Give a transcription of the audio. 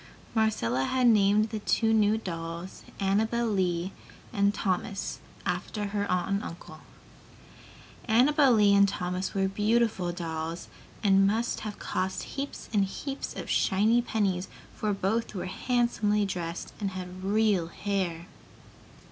Marcella had named the two new dolls Annabel Lee and Thomas, after her aunt and uncle. Annabel Lee and Thomas were beautiful dolls and must have cost heaps and heaps of shiny pennies, for both were handsomely dressed and had real hair!